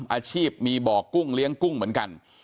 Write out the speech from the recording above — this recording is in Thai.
อาชีพมีบ่อกุ้งเลี้ยงกุ้งเหมือนกัน